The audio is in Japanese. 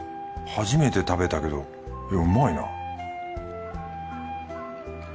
初めて食べたけどうまいな